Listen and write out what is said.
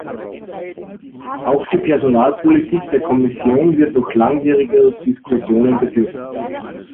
Auch die Personalpolitik der Kommission wird noch langwieriger Diskussionen bedürfen.